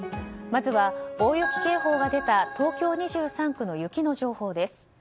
まずは大雪警報が出た東京２３区の雪の情報です。